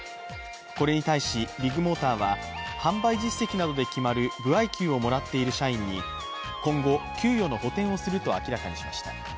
これに対し、ビッグモーターは販売実績などで決まる歩合給をもらっている社員に今後、給与の補填をすると明らかにしました。